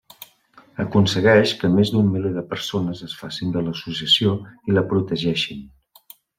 Aconsegueix que més d'un miler de persones es facin de l'associació i la protegeixin.